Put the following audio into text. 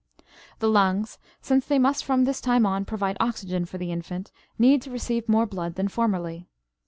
The lungs, since they must from this time on provide oxygen for the infant, need to receive more blood than formerly.